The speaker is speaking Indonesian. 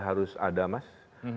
harus ada mas